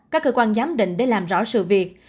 các cơ quan giám định để làm rõ sự việc